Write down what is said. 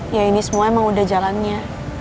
ya ini semua emang udah jalannya